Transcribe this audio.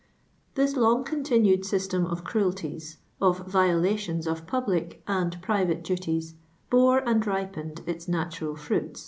Thii lon;r continund system cif cruelties, of vio latimiN of publii* and private duties, bore and rip ii'. i its natural frnin.